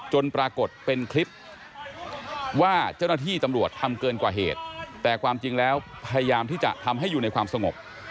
จนปรากฏเป็นคลิปว่าเจ้าหน้าที่ตำรวจทำเกินกว่าเหตุแต่ความจริงแล้วพยายามที่จะทำให้อยู่ในความสงบ